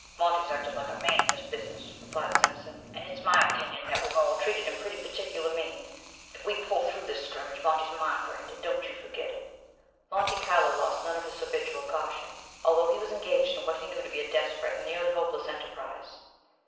"Monty's acted like a man in this business," replied Simpson, "and it's my opinion that we've all treated him pretty particular mean. If we pull through this scrimmage Monty's my friend, and don't you forget it." Monte Carlo lost none of his habitual caution, although he was engaged in what he knew to be a desperate and nearly hopeless enterprise.